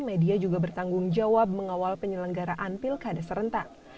media juga bertanggung jawab mengawal penyelenggaraan pilkada serentak